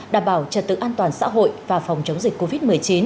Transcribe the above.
đảm bảo trật tự an toàn xã hội và phòng chống dịch covid một mươi chín